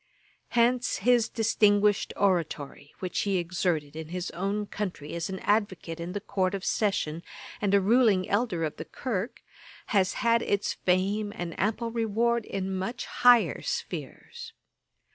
Hence his distinguished oratory, which he exerted in his own country as an advocate in the Court of Session, and a ruling elder of the Kirk, has had its fame and ample reward, in much higher spheres.